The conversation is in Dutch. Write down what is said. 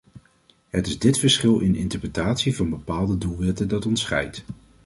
Het is dit verschil in interpretatie van bepaalde doelwitten dat ons scheidt.